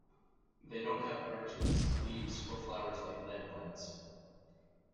They don't have branches, leaves or flowers like land plants.